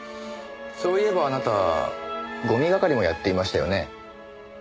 そういえばあなたゴミ係もやっていましたよね。